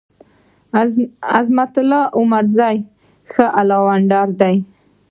عظمت الله عمرزی ښه ال راونډر دی.